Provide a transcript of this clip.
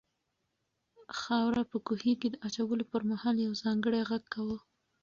خاوره په کوهي کې د اچولو پر مهال یو ځانګړی غږ کاوه.